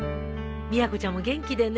みやこちゃんも元気でね。